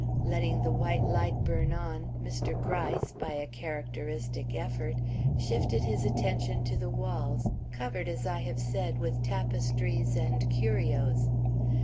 Letting the white light burn on, Mr. Gryce, by a characteristic effort, shifted his attention to the walls, covered, as I have said, with tapestries and curios.